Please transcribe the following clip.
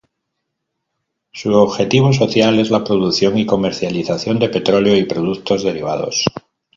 Su objetivo social es la producción y comercialización de petróleo y productos derivados.